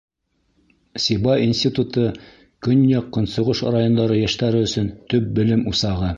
Сибай институты — көньяҡ-көнсығыш райондары йәштәре өсөн төп белем усағы.